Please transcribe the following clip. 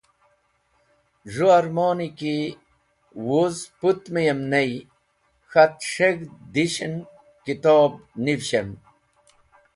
Z̃hũ ẽrmoni ki wuz pũtmũyem ney k̃hat s̃heg̃hd dishẽn kitob nivishẽm.